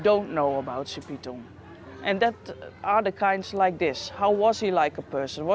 dan itu adalah hal yang saya pikir harus anda ke tradisi oral